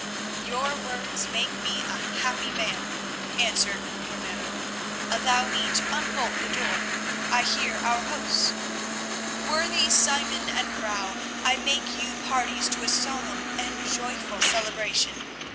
"Your words make me a happy man," answered Ramiro. "Allow me to unbolt the door, I hear our hosts. Worthy Simon and Vrouw, I make you parties to a solemn and joyful celebration.